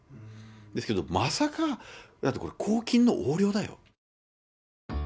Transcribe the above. ですけど、まさか、だってこれ、公金の横領だよ。